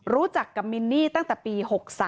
รู้จักกับมินนี่ตั้งแต่ปี๖๓